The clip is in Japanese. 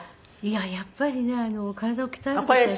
いややっぱりね体を鍛える事は。